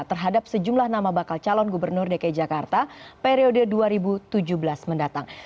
terhadap sejumlah nama bakal calon gubernur dki jakarta periode dua ribu tujuh belas mendatang